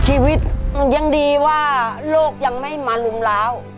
ชีวิตมันยังดีว่าโลกยังไม่มารุมร้าว